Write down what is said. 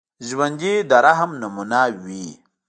ژوندي د رحم نمونه وي